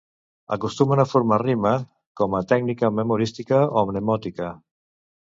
Acostumen a formar rima com a tècnica memorística o mnemònica.